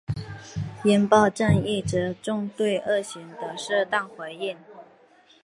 应报正义着重对恶行的适当回应。